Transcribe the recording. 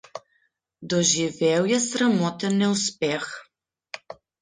Doživel je sramoten neuspeh.